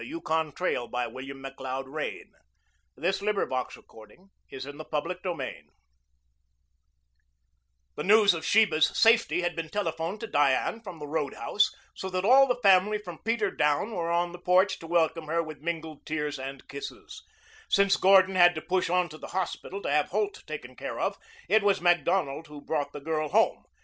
CHAPTER XXXII DIANE CHANGES HER MIND The news of Sheba's safety had been telephoned to Diane from the roadhouse, so that all the family from Peter down were on the porch to welcome her with mingled tears and kisses. Since Gordon had to push on to the hospital to have Holt taken care of, it was Macdonald who brought the girl home.